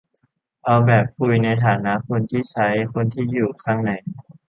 เอาแบบคุยในฐานะ คนที่ใช้ คนที่อยู่ข้างใน